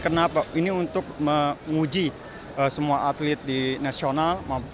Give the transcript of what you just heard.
karena ini untuk menguji semua atlet di nasional